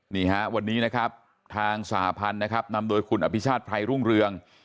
นี่ฮะวันนี้นะครับทางสหพันธ์นะครับนำโดยคุณอภิชาติไพรรุ่งเรือง